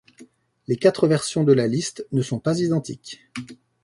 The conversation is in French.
Les quatre versions de la liste ne sont pas identiques.